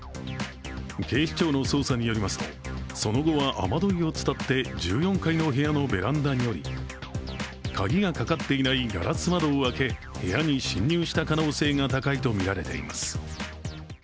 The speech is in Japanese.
警視庁の捜査によりますと、その後は雨どいを伝って１４階の部屋のベランダに降り、鍵がかかっていない硝子窓を開け部屋に侵入した可能性が高いとみられています。